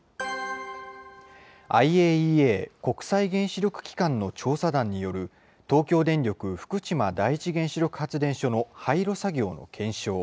ＩＡＥＡ・国際原子力機関の調査団による東京電力福島第一原子力発電所の廃炉作業の検証。